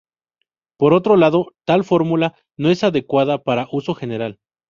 Por otro lado, tal fórmula no es adecuada para uso general.